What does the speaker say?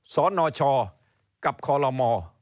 สนชกับคลม